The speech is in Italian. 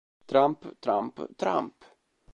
Tramp, Tramp, Tramp